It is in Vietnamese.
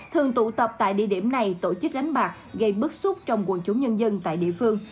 thường tụ tập tại địa điểm này tổ chức đánh bạc gây bức xúc trong quần chúng nhân dân tại địa phương